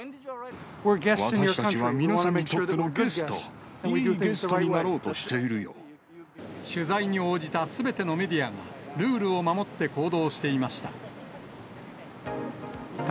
私たちは皆さんにとってのゲスト、取材に応じたすべてのメディアが、ルールを守って行動していました。